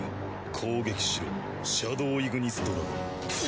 攻撃しろシャドウ・イグニスドラゴン。